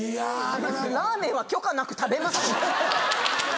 ラーメンは許可なく食べます。